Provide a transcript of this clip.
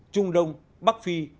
trung đông bắc phi